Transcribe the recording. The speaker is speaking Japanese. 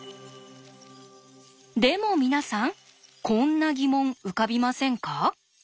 でも皆さんこんな疑問浮かびませんか？